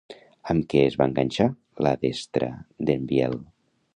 Amb què es va enganxar la destra d'en Biel?